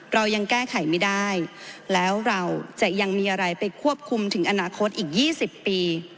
เรายังแก้ไขไม่ได้แล้วเราจะยังมีอะไรไปควบคุมถึงอนาคตอีก๒๐ปี